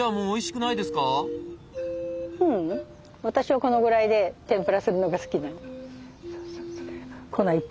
私はこのぐらいで天ぷらするのが好きなの。